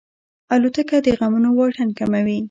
الوتکه د غمونو واټن کموي.